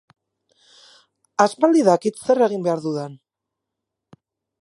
Aspaldi dakit zer egin behar dudan.